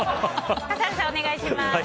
笠原さん、お願いします。